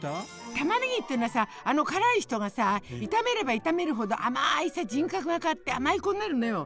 たまねぎってのはさ辛い人がさ炒めれば炒めるほど甘い人格が変わって甘い子になるのよ。